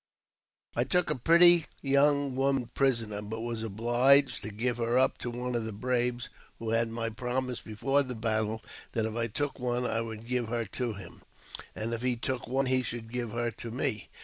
I took a very pretty young woman prisoner, but was obliged to give her up to one of the braves, who had my promise before the battle that if I took one I would give her to him, and if he took one he should give her to me.